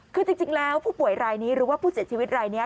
คือจริงแล้วผู้ป่วยรายนี้หรือว่าผู้เสียชีวิตรายนี้